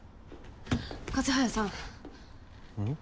風早さん！